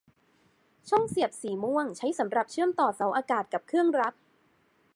ช่องเสียบสีม่วงใช้สำหรับเชื่อมต่อเสาอากาศกับเครื่องรับ